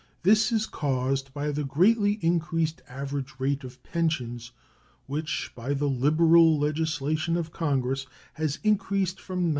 This is caused by the greatly increased average rate of pensions, which, by the liberal legislation of Congress, has increased from $90.